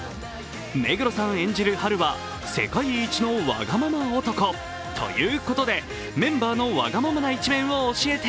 目黒さん演じるハルは世界一のわがまま男ということで、メンバーのわがままな一面を教えて。